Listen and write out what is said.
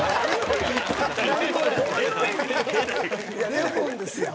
レモンですやん。